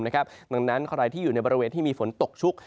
ดังนั้นใครที่อยู่ในบริเวณที่มีฝนตกชุก